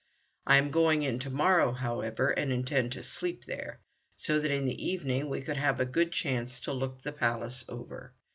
I am going in to morrow, however, and intend to sleep there, so that in the evening we could have a good chance to look the Palace over.